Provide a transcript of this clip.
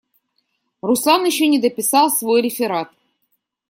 Руслан еще не дописал свой реферат.